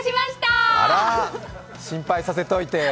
あら、心配させておいて。